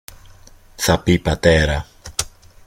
Θα πει, πατέρα